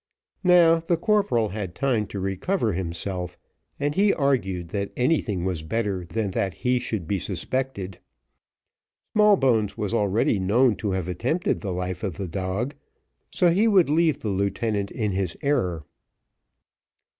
Now the corporal had time to recover himself, and he argued that anything was better than that he should be suspected. Smallbones was already known to have attempted the life of the dog, so he would leave the lieutenant in his error.